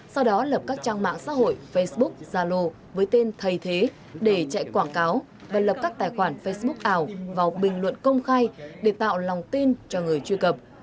sau đó lập các trang mạng xã hội facebook zalo với tên thầy thế để chạy quảng cáo và lập các tài khoản facebook ảo vào bình luận công khai để tạo lòng tin cho người truy cập